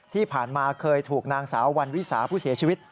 ที่ผ่านมาเคยถูกนางสาววันวิสาผู้เสียชีวิต